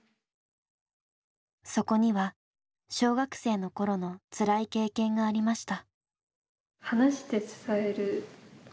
そこには小学生の頃のつらい経験がありました。